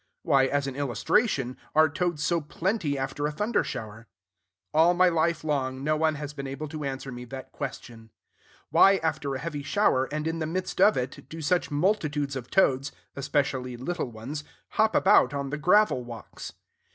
Why, as an illustration, are toads so plenty after a thunder shower? All my life long, no one has been able to answer me that question. Why, after a heavy shower, and in the midst of it, do such multitudes of toads, especially little ones, hop about on the gravel walks?